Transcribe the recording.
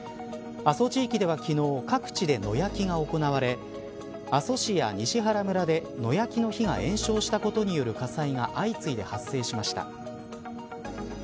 阿蘇地域では昨日各地で野焼きが行われ阿蘇市や西原村で野焼きの火が延焼したことによる火災が相次いで発生しました。